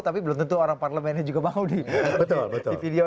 tapi belum tentu orang parlemennya juga mau di video